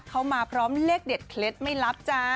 เขามาพร้อมเลขเด็ดเคล็ดไม่ลับจ้า